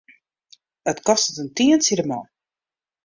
It kostet in tientsje de man.